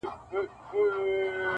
زما تر لحده به آواز د مرغکیو راځي-